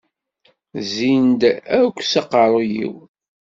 Zzin-d akk s aqaṛṛuy-iw.